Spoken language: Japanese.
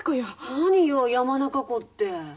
何よ山中湖って。